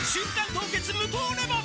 凍結無糖レモン」